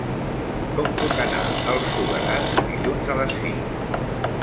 Com puc anar al Soleràs dilluns a les cinc?